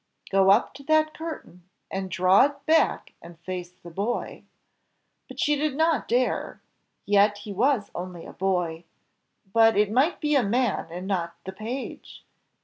"Go up to that curtain and draw it back and face the boy" but she did not dare; yet he was only a boy But it might be a man and not the page.